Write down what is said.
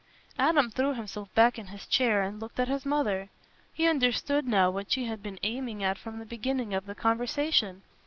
Adam threw himself back in his chair and looked at his mother. He understood now what she had been aiming at from the beginning of the conversation.